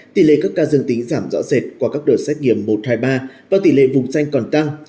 tỷ lệ các ca dương tính giảm rõ rệt qua các đợt xét nghiệm một hai mươi ba và tỷ lệ vùng xanh còn tăng